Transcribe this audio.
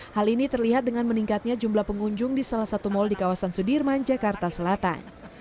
hal ini terlihat dengan meningkatnya jumlah pengunjung di salah satu mal di kawasan sudirman jakarta selatan